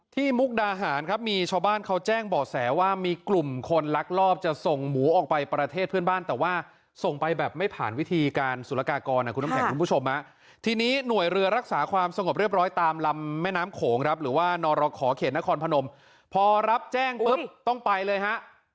มุกดาหารครับมีชาวบ้านเขาแจ้งบ่อแสว่ามีกลุ่มคนลักลอบจะส่งหมูออกไปประเทศเพื่อนบ้านแต่ว่าส่งไปแบบไม่ผ่านวิธีการสุรกากรคุณน้ำแข็งคุณผู้ชมทีนี้หน่วยเรือรักษาความสงบเรียบร้อยตามลำแม่น้ำโขงครับหรือว่านรขอเขตนครพนมพอรับแจ้งปุ๊บต้องไปเลยฮะ